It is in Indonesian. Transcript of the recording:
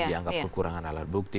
dianggap kekurangan alat bukti